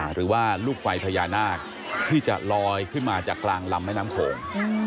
หรือว่าลูกไฟพญานาคที่จะลอยขึ้นมาจากกลางลำแม่น้ำโขง